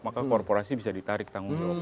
maka korporasi bisa ditarik tanggung jawab